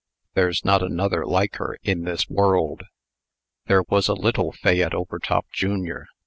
"There's not another like her in this world." There was a little Fayette Overtop, jr.